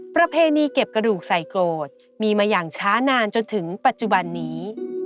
ประเพณีเก็บกระดูกใส่โกรธมีมาอย่างช้านานจนถึงปัจจุบันนี้